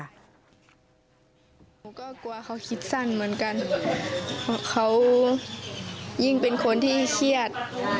หนูก็กลัวเขาคิดสั้นเหมือนกันเพราะเขายิ่งเป็นคนที่เครียด